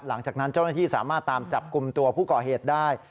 หลังจากนั้นเจ้าหน้าที่สามารถตามจับกลุ่มตัวผู้ก่อเหตุได้